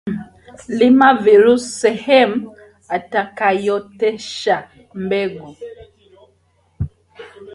Lima vizuri sehemu itakayooteshwa mbegu.